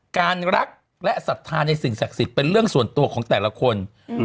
รักและศรัทธาในสิ่งศักดิ์สิทธิ์เป็นเรื่องส่วนตัวของแต่ละคน